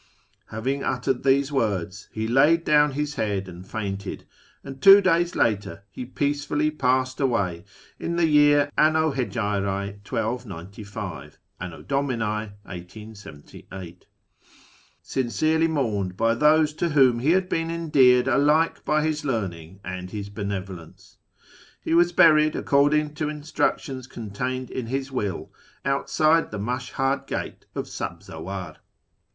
Having uttered these words, he laid down his head and fainted, md two days later he peacefully passed away in the year \..H. 1295 (a.d. 1878), sincerely mourned by those to whom le had been endeared alike by his learning and his benevolence. ' jTe was buried, according to instructions contained in his will, utside the Mashhad gate of Sabzawar.